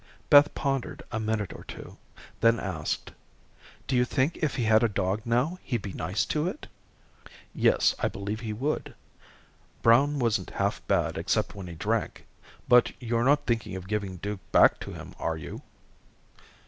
Beth pondered a minute or two, then asked: "Do you think if he had a dog now he'd be nice to it?" "Yes, I believe he would. Brown wasn't half bad except when he drank. But you're not thinking of giving Duke back to him, are you?"